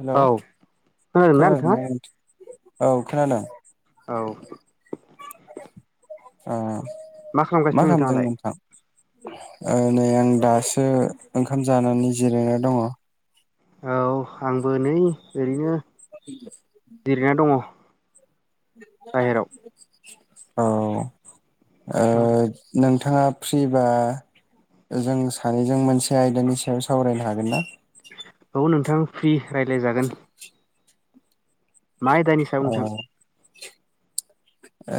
Hello औ खोनादों ना नोंथांङा? खोनादोंना नोंथां औ खोनादों। [unintelligible] ओ। मा खालामगासिनो खालामदों नोंथाङालाय? नोंथां? ओ नै आं दासो ओंखाम जानानै जिरायना दङ। औ आंबो नै ओरैनो उम जिरायना दङ। बाहेराव [unintelligible] औ। ओ औ नों थाङा फ्रिबा ओ जों सानैजों मोनसे आयदानि सायाव सावरायनो हागोन ना? औ नोंथां। फ्रि रायज्लाय जागोन। मा आयदानि सायाव नोंथां?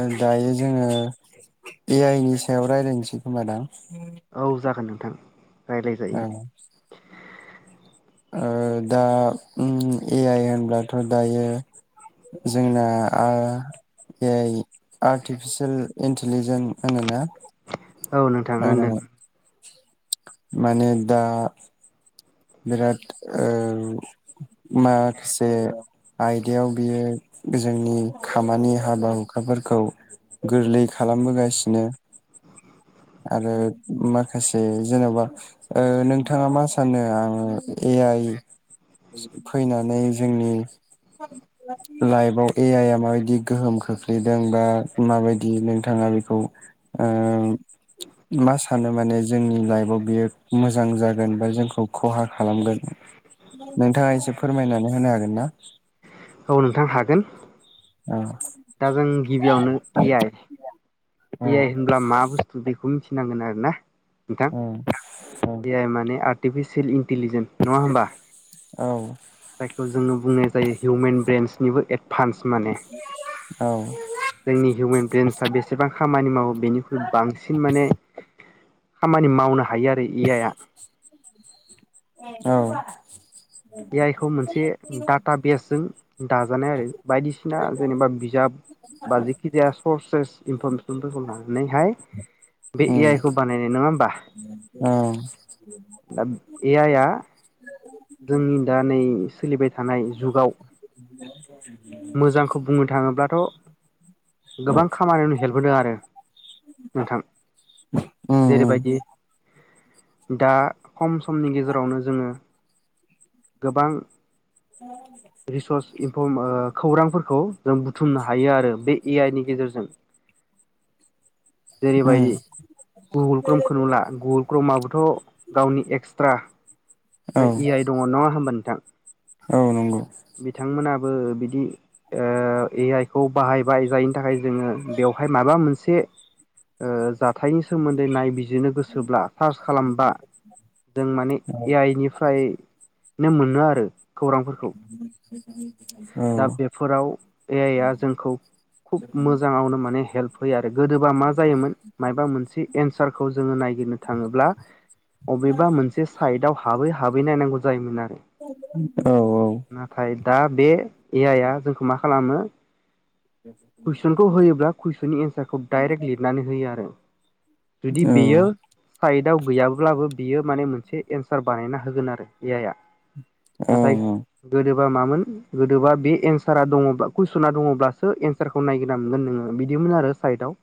ओ दायो जोङो ए आइ नि सायाव रायज्लायनोसै खोमादां? औ जागोन नोंथां। रायज्लायजायो ओं। ओ दा उम ए आइ होनब्लाथ' दायो जोंना आ ए आइ आर्टिफिसियेल इन्टिलिजेन होनोना? औ नोंथां ओ होनदों। माने दा बिराद ओ माखासे आयदायाव बियो जोंनि खामानि हाबा हुखाफोरखौ गोरलै खालामबोगासिनो। आरो माखासे जेन'बा ओ नोंथाङा मा सानो आं ए आइ फैनानै जोंनि लाइफाव ए आइ आ माबायदि गोहोम खो लैदों बा माबायदि नोंथाङा बेखौ ओ मा सानो माने जोंनि लाइफाव बियो मोजां जागोन बा जोंखौ खहा खालामगोन नोंथाङा एसे फोरमायनानै होनो हागोन ना? औ नोंथां हागोन। औ दा जों गिबियावनो ए आइ। औ ए आइ होनब्ला मा बुस्थु बेखौ मिथि नांगोन आरो ना। नोंथां औ औ नंगौ औ ए आइ माने आट टिभिसिलिं टिलिजेेन नङा होमबा? जायखौ जोंनो बुंनाय जायो हिउमेन बेन्स। ख्रुयबो एड फान्स माने जोंनि हउमेन बेन्सा बेस बां खामानि मावो बेनिख्रुइ बांसिन माने खामानि मावनो हायो आरो ए आइया औ ए आइ खौ मोनसे डाटा बेसजों दाजानाय आरो बायदिसिना जेनेबा बिजाब बा जेखि जाया सर्सेस इनफरमेसनफोरखौ लानानैहाय बे ए आइ खौ बानायनाय नङा होमबा दाब ए आइया जोंनि दा नै सोलिबाय थानाय जुगाव मोजांखौ बुंनो थाङोब्लाथ' गोबां खामानियावनो हेल्प होदों आरो नोंथां। जेरै बायदि दा खम समनि गेजेरावनो जोङो गोबां [unintelligible] खम ओ खौरांफोरखौ जों बुथुमनो हायो आरो। बे ए आइ नि गेजेरजों। जेरै बायदि गुगुल क्रमखौ ला गुगुल क्रमाबोथ' गावनि एक्सट्रा ओ इ आइ दङ नङा होम्बा नोंथां? औ नंगौ। बिथांमोना बो बिदि ओ ए आइ खौ बाहायबाय जायनि थाखाय जोङो बेवहाय माबा मोनसे ओ जा थाइनि सोमोन्दै नायबिजिरनो गोसोब्ला सार्च खालामबा जों माने ए आइ निफ्राय नो मोनो आरो खौरांफोरखौ। [unintelligible] दा बेफोराव ए आइ आ जोंखौ खुब मोजाङावनो माने हेल्प होयो आरो। गोदोबा मा जायोमोन मायबा मोनसे एनस सारखौ जोङो नायगिरनो थाङोब्ला अबेबा मोनसे साइदआव हाबै हाबै नायनांगौ जायोमोन ना औ औ दा बे ए आइआ जोंखौ मा खालामो कुइसनखौ होयोब्ला कुइसननि एन्सारखौ डाइरेक्ट लिरनानै होयो आरो जुदि बेयो साइडआव गैयाब्लाबो बियो माने मोनसे एन्सार बानायना होगोन आरो ए आइआ नाथाय गोदो बा मामोन गोदोबा बे एन्सारा दङ कुइसना दङब्लासो एन्सारखौ नायगिरना मोनगोन नोङो बिदिमोन आरो साइडआव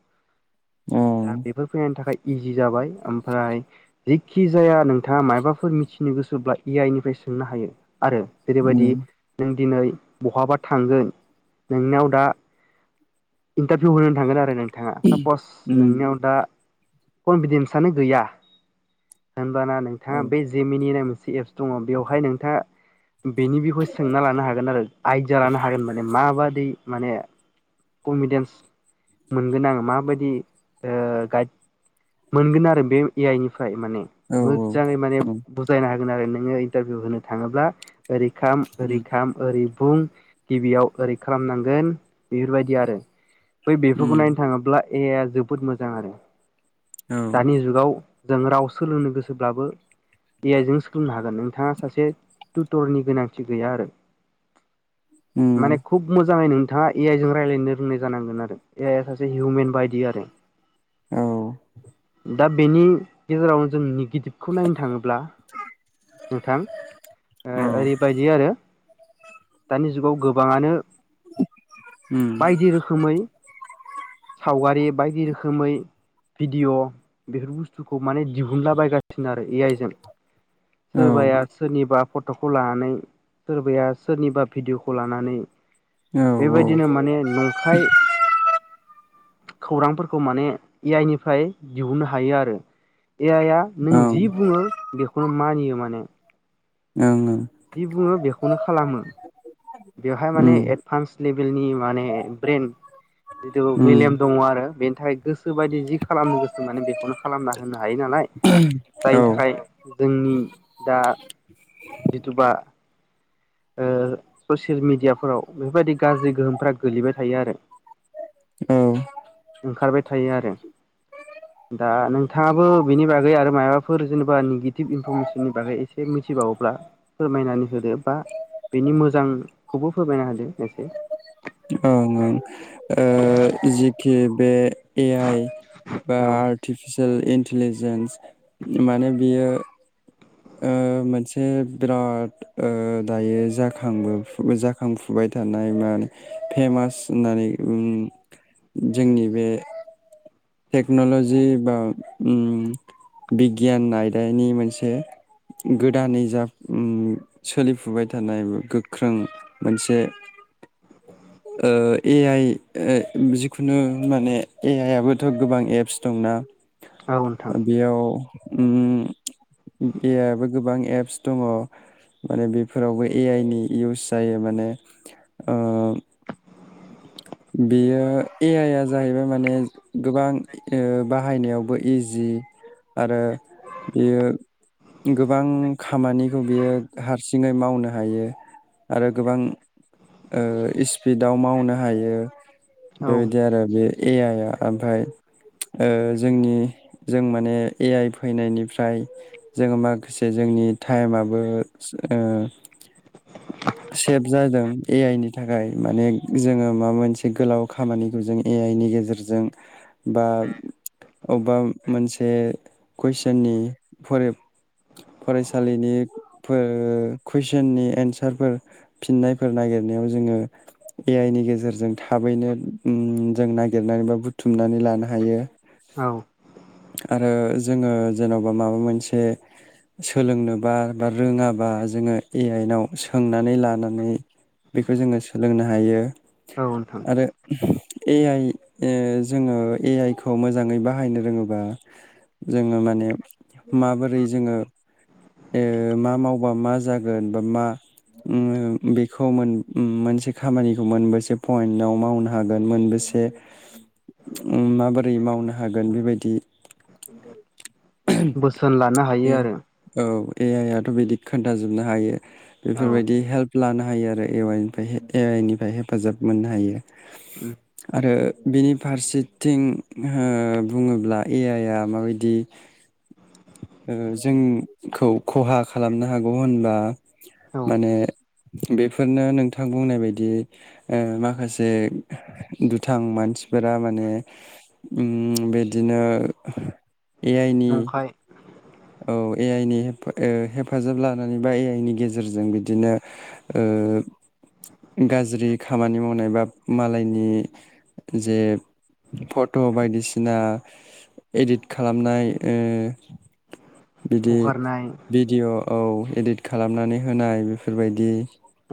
औ दा बेफोर फैनायनि थाखाय इजि जाबाय ओमफ्राय जिखि जाया नोंथाङा मायाबाफोर मिथिनो गोसोब्ला ए आइ निफ्राय सोंनो हायो आरो जेरैबायदि नों दिनै बहाबा थांगोन नोंनाव दा इन्टारभिउ होनो थांगोन आरो नों बिथाङा सापस नोंनियाव दा कनफिदेन्सआनो गैया होमबाना नोंथाङा बे जेमिनि नाम जि एप्स दङ बेवहाय नोंथाङा बेनि बिखय सोंना लानो हागोन आरो आइडिया लानो हागोन माने माबादि माने कनभिदेन्स मोनगोन आं माबायदि ओ गाइड मोनगोन आरो बे ए आइ निफ्राय माने औ मोजाङै माने ओं ओं बुजायना हो आरो नोङो इन्टारभिउ होनो थाङोब्ला ओरै खाम ओरै खाम ओरै बुं गिबियाव ओरै खालामनांगोन बेफोरबायदि आरो बै बेफोरखौ नायनो थाङोब्ला एयाया जोबोद मोजां आरो दानि जुगाव जों राव सोलोंनो गोसोब्लाबो ए आइ जों सोलोंनो हागोन नोंथाङा सासे टुटरनि गोनांथि गैया आरो माने खुब मोजाङै नों बिथाङा ए आइजों रायज्लायनो रोंनाय जानांगोन आरो ए आइ आ सासे हिउमेन बायदि आरो औ दा बेनि गेजेराव जोंनि गिदि खौ नायनो थाङोब्ला नोंथां ओ ओरैबादि आरो दानि जुगाव गोबाङानो बायदि रोखोमै सावगारि बायदि रोखोम रोखोमै भिडिअ बेफोर बुस्थुखौ माने दिहुनलाबायगासिनो आरो एआइजों सोरबाया सोरनिबा फटखौ लानानै सोरबाया सोरनिबा भिडिअखौ लानानै बेबायदिनो माने नंखाय खौरांफोरखौ माने एआइ निफ्राय दिहुननो हायो आरो एआइया नों जि बुङो बेखौनो मानियो माने उम ओं जि बुङो बेखौनो खालामो बेवहाय माने एडभान्स लेबेलनि माने ब्रेन जिथु मेलेम दङ आरो बे [unintelligible] गोसोबायदि जि खालामनो गोसो मे बेखौनो खालामना होनो हायो नालाय जायनि थाखाय जों बा ओ ससे ससियेल मिडियाफोराव बेफोरबायदि गाज्रि गोहोमफोरा गोलैबाय थायो आरो ओं ओंखारबाय थायो आरो दा नोंथाङाबो बेनि बागै आरो माबाफोर जेनेबा निगेटिभ इनफरमेसननि बागै एसे मिथिबावोब्ला फोरमायनानै होदो बा नि मोजांखौबो फोरमायनो हादों ओं ओं ओ जिखि बे ए आइ बा औ आर्टिफिसि सेल इन्टिलिजेन्स माने बियो ओ मोनसे बिराद दायो जाखां जाखांफुबाय थानाय मोन फेमास होननानै ओम जोंनि बे टेक्न'ल'जि बा ओम बिगियान आयदानि मोनसे गोदानै जा उम सोलिफुबाय थानाय गोख्रों मोनसे ओ ए आइ जिखुनु मोन बेयाव ओम ए आइबो औ नोंथां गोबां एप्स दङ माने बेफोरावबो ए आइ नि इउस जायो माने ओ बेयो ए आइआ जाहैबाय माने गोबां बाहायनायावबो इजि आरो बेयो गोबां खामानिखौ बियो हारसिङै मावनो हायो आरो गोबां ओ स्पिड दाउ मावनो हायो औ बेबायदि आरो बे ए आइआ ओमफ्राय जोंनि जों माने ए आइ फैनायनिफ्राय जोङो माखासे जोंनि टाइमाबो सेभ जादों ए आइ नि थाखाय माने जोङो माबा मोनसे गोलाव खामानिखौ जों ए आइ नि गेजेरजों बा अबेबा मोनसे कुइसननि फरे फरायसालिनि कुइसननि एन्सार हासारफोर फिननायफोर नागिरनायाव जोङो ए आइ नि गेजेरजों थाबैनो ओम जों नागिरनानै बा बुथुमनानै लानो हायो औ आरो जोङो जेन'बा माबा मोनसे सोलोंनोबा बा रोङाबा जोङो ए आइआव सोंनानै लानानै बेखौ जोङो सोलोंनो हायो औ नोंथां आरो ए आइ ओ जोङो ए आइ खौ मोजाङै बाहायनो रोङोबा जोङो माने माबोरै जोङो ओ मा मावबा मा जागोन बा मा ओ बेखौ मोनसे खामानिखौ मोनबेसे पइन्टाव मावनो हागोन मोनबेसे ओम माबोरै मावनो हागोन बेबायदि बोसोन लानो हायो ए आरो औ ए आइ आथ' बिदि खोन्थाजोबनो हायो औ बेफोरबायदि हेल्प लानो हायो आरो ए आइ निफ्राय ए आइ निफ्राय हेफाजाब मोननो हायो आरो बिनि फारसेथिं अ बुङोब्ला ए आइ आ माबायदि ओ जोंखौ खहा खालामनो हागौ होनबा औ माने बेफोरनो नोंथां बुंनाय बायदि आ माखासे दुथां मानसिफोरा माने ओम बिदिनो ए आइ नि नंखाय औ ए आइ नि हेफाजाब लानानै बा ए आइ नि गेजेरजों बिदिनो ओ गाज्रि खामानि मावनाय बा मालायनि जे फट' बायदिसिना इदित खालामनाय ओ बिदि हगारनाय भिडिअ' औ इदिट खालामनानै होनाय बेफोरबायदि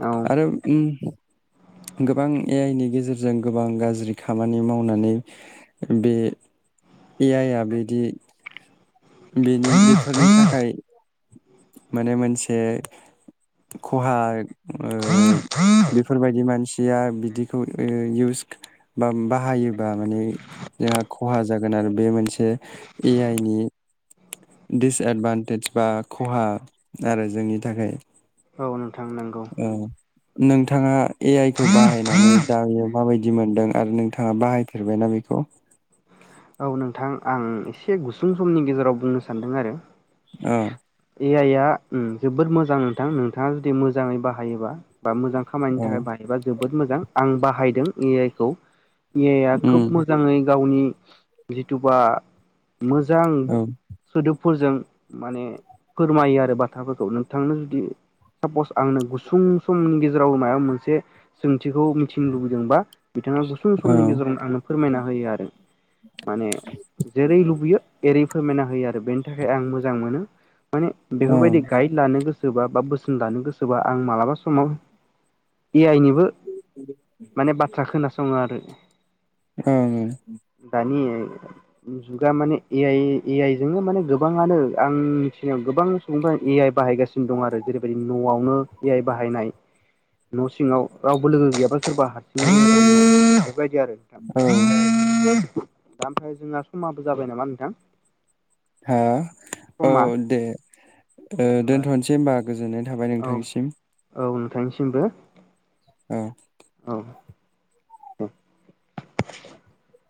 औ आरो उम गोबां ए आइ नि गेजेरजों गोबां गाज्रि खामानि मावनानै बे ए आइ आ बिदि बेनि बेफोरनि थाखाय माने मोनसे खहा ओ बेफोरबायदि मानसिया बिदिखौ ओ इउस बा बाहायोबा माने जोंहा खहा जागोन आरो बे मोनसे ए आइ नि दिसएदभान्टेज बा खहा आरो जोंनि थाखाय औ नोंथां नंगौ औ नोंथाङा ए आइ खौ बाहायनानै दायो माबायदि मोनदों आरो नोंथाङा बाहायफेरबायना बेखौ उम एसे गुसुं समनि गेजेराव बुंनो सान्दों आरो औ ए आइ आ ओम जोबोद मोजां नोंथां नोंथाङा जुदि मोजाङै बाहायोबा बा मोजां खामानिनि औ थाखाय बाहायबा जोब- जोबोद मोजां आं बाहायदों ए आइ खौ ए आइ आ उम खोब मोजाङै गावनि जिथु बा मोजां औ सोदोब फोरजों माने फोरमायो आरो बाथ्राफोरखौ नोंथांनो जुदि सापस आंनो गुसुं समनि गेजेराव माबा मोनसे सोंथिखौ मिथिनो लुबैदोंबा बिथाङा गुसुं समनि ओं गेजेराव आंनो फोरमायना होयो आरो माने जेरै लुबैयोै एरै ओइ फोरमायना होयो आरो बेनि थाखाय आं मोजां मोनो माने बेफोरबायदि गाइड लानो गोसो गोसोबा बा बोसोन लानो गोसोबा आं मालाबा समाव ए आइ निबो माने बाथ्रा खोनासङो आरो ओं [unintelligible] जुगा माने ए आइ ए आइ जोंनो माने गोबाङानो आं मिथिनायाव गोबां सुबुंफोरा ए आइ बाहायगासिनो दं आरो जेरैबायदि न'आव ए आइ बाहायनाय न' सिङाव रावबो लोगो गैयाबा सोरबा हारसिं [unintelligible] बेबायदि आरो औ नोंथां दा ओमफ्राय जोंना समाबो जाबाय नामा नोंथां हा औ समा दे ओ होमबा दोनथ'नोसै होमबा गोजोननाय थाबाय नोंथांनिसिम थांसिमबो औ [unintelligible] [unintelligible]